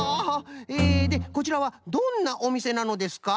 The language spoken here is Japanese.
えでこちらはどんなおみせなのですか？